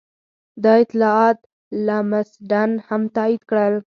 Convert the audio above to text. دا اطلاعات لمسډن هم تایید کړل.